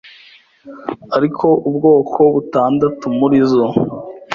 ariko ubwoko butandatu muri zo